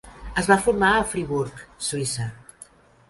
Es va formar a Fribourg, Suïssa.